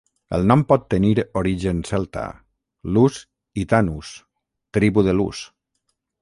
El nom pot tenir origen celta: "Lus" i "Tanus", "tribu de Lus".